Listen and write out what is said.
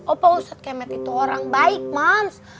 opa ustad kemet itu orang baik moms